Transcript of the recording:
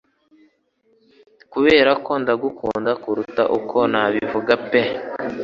Kuberako ndagukunda kuruta uko nabivuga pe